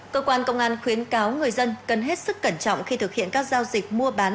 cơ quan công an khuyến cáo người dân cần hết sức cẩn trọng khi thực hiện các giao dịch mua bán